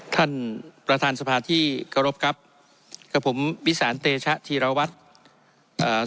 ท่านประธานสภาที่เคารพครับกับผมวิสานเตชะธีรวัตรเอ่อ